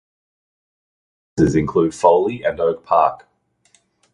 Nearby places include Foley and Oak Park.